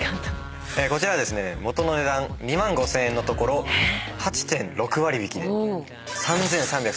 こちらはですね元の値段２万５，０００円のところ８．６割引きで３，３３３円。